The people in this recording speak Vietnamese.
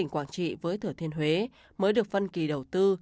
quảng trị với thừa thiên huế mới được phân kỳ đầu tư